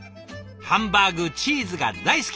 ハンバーグチーズが大好き。